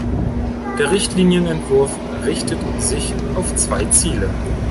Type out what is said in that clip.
Der Richtlinienentwurf richtet sich auf zwei Ziele.